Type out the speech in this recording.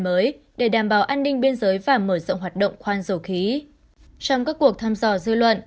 mới để đảm bảo an ninh biên giới và mở rộng hoạt động khoan dầu khí trong các cuộc thăm dò dư luận